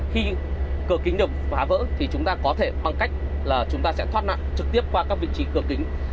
khi cửa kính được phá vỡ thì chúng ta có thể bằng cách là chúng ta sẽ thoát nạn trực tiếp qua các vị trí cửa kính